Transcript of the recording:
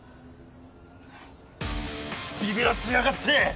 はぁビビらせやがって！